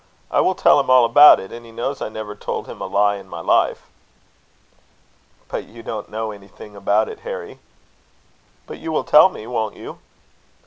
I will tell him all about it; and he knows I never told him a lie in my life." "But you don't know anything about it, Harry." "But you will tell me, won't you?"